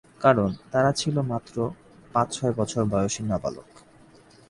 কারণ, তারা ছিল মাত্র পাঁচ-ছয় বছর বয়সী নাবালক।